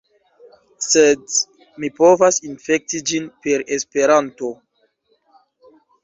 Sed mi povas infekti ĝin per Esperanto